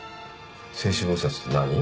勢至菩薩って何？